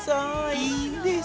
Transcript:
いいんです。